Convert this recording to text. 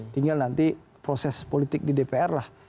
tinggal nanti proses politik di dpr lah